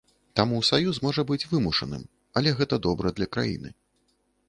Таму саюз можа быць вымушаным, але гэта добра для краіны.